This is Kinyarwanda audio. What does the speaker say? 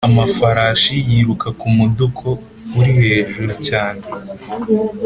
Amafarashi yiruka kumuduko urihejuru cyane